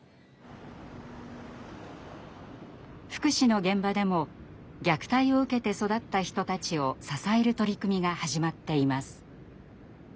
福祉の現場でも虐待を受けて育った人たちを支える取り組みが始まっています。